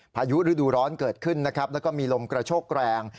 พายุฤดูร้อนเกิดขึ้นนะครับแล้วก็มีลมกระโชกแรง